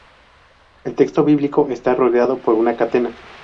El texto bíblico está rodeado por una catena.